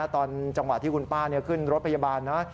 ตอนจังหวะที่คุณป้าขึ้นรถพยาบาลนะ